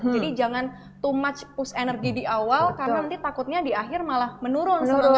jadi jangan too much push energy di awal karena nanti takutnya di akhir malah menurun semangatnya